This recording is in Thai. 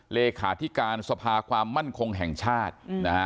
เลขาธิการสภาความมั่นคงแห่งชาตินะฮะ